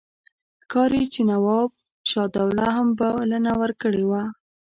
ښکاري چې نواب شجاع الدوله هم بلنه ورکړې وه.